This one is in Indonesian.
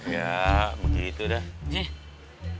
ya begitu dah